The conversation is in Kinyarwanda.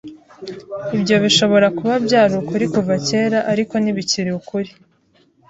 Ibyo bishobora kuba byari ukuri kuva kera, ariko ntibikiri ukuri .